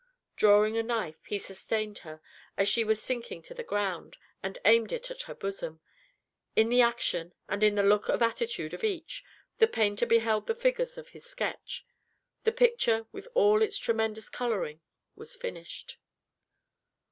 Drawing a knife, he sustained her, as she was sinking to the ground, and aimed it at her bosom. In the action and in the look and attitude of each, the painter beheld the figures of his sketch. The picture, with all its tremendous coloring was finished.